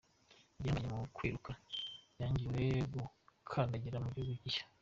Igihangange mu kwiruka yangiwe gukandagira mugihugu gishya